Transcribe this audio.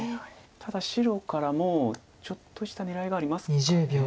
ただ白からもちょっとした狙いがありますか。